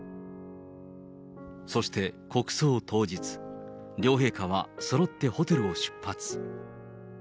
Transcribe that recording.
そして国葬当日、両陛下は、そろってホテルを出発。